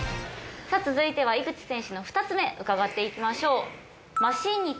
さぁ続いては井口選手の２つ目うかがっていきましょう。